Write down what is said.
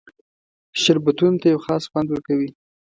شربتونو ته یو خاص خوند ورکوي.